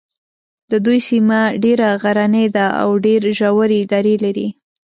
د دوی سیمه ډېره غرنۍ ده او ډېرې ژورې درې لري.